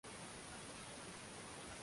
Wakiroba ni kikabila cha Wakurya Wakisii